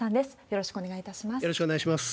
よろしくお願いします。